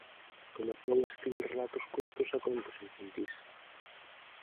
Comezou a escribir relatos curtos e contos infantís.